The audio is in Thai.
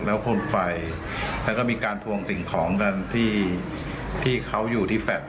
แล้วพ่นไฟแล้วก็มีการทวงสิ่งของกันที่ที่เขาอยู่ที่แฟลต์